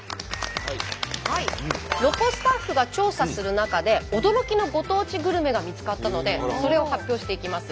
ロコスタッフが調査する中で驚きのご当地グルメが見つかったのでそれを発表していきます。